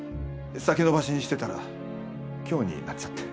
先延ばしにしてたら今日になっちゃって。